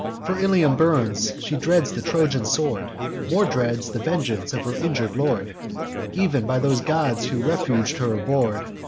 For Ilium burnt, she dreads the Trojan sword; More dreads the vengeance of her injur'd lord; Ev'n by those gods who refug'd her abhorr'd.